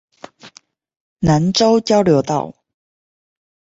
南州交流道